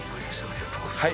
ありがとうございます